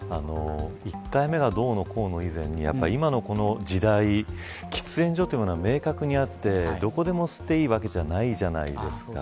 一回目がどうのこうの以前に今のこの時代、喫煙所というものは明確にあってどこでも吸っていいわけじゃないじゃないですか。